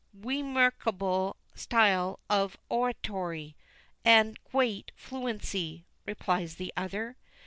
Wemarkable style of owatowy and gweat fluency," replies the other.